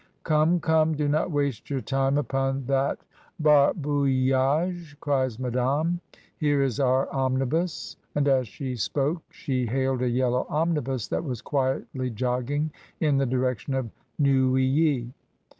... "Come, come; do not waste your time upon that ^arbouillagey^ cries Madame; "here is oiu: omnibus." fVnd as she spoke she hailed a yellow omnibus that tvas quietly jogging in the direction of Neuilly.